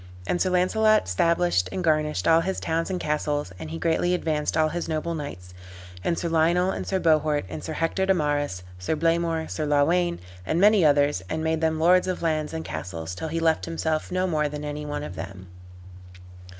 And Sir Launcelot stablished and garnished all his towns and castles, and he greatly advanced all his noble knights, Sir Lionel and Sir Bohort, and Sir Hector de Marys, Sir Blamor, Sir Lawayne, and many others, and made them lords of lands and castles; till he left himself no more than any one of them.